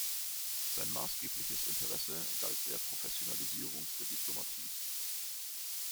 Sein maßgebliches Interesse galt der Professionalisierung der Diplomatie.